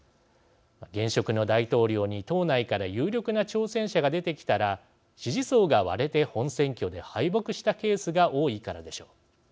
現職の大統領に党内から有力な挑戦者が出てきたら支持層が割れて本選挙で敗北したケースが多いからでしょう。